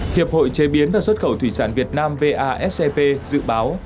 hiệp hội chế biến và xuất khẩu thủy sản việt nam vascp dự báo